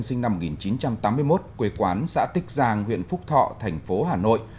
sinh năm một nghìn chín trăm tám mươi một quê quán xã tích giang huyện phúc thọ thành phố hà nội